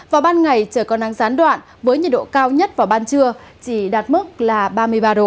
vào ban ngày trời có nắng gián đoạn với nhiệt độ cao nhất vào ban trưa chỉ đạt mức là ba mươi ba độ